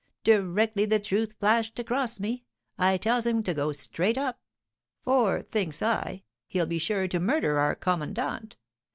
Directly the truth flashed across me, I tells him to go straight up; for, thinks I, he'll be sure to murder our commandant.